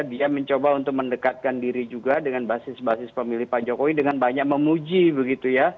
dia mencoba untuk mendekatkan diri juga dengan basis basis pemilih pak jokowi dengan banyak memuji begitu ya